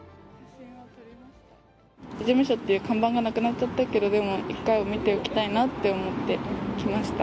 事務所っていう看板はなくなっちゃったけど、一回は見ておきたいなと思って、来ました。